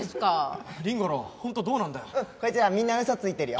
こいつらみんなウソついてるよ。